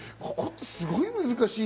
すごい難しい。